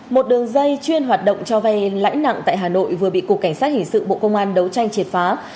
một đường dây chuyên hoạt động cho vay lãnh nặng tại hà nội vừa bị cục cảnh sát hình sự bộ công an đấu tranh triệt phá